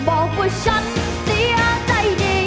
บอกว่าฉันเสียใจดี